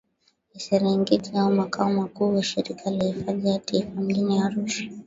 ya Serengeti au makao makuu ya Shirika la hifadhi za Taifa Mjini Arusha